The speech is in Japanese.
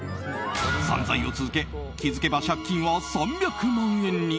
散財を続け気づけば借金は３００万円に。